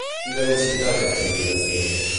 Qui va incitar aquesta indagació?